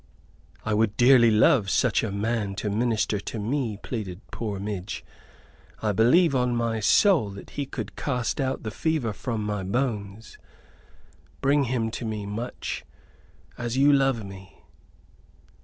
"I would dearly love such a man to minister to me," pleaded poor Midge. "I believe on my soul that he could cast out the fever from my bones. Bring him to me, Much, as you love me."